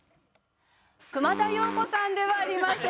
熊田曜子さんではありません。